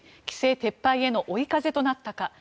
１規制撤廃への追い風となったか。